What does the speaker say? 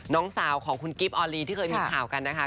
น้องสาวของคุณกิ๊บออลีที่เคยมีข่าวกันนะคะ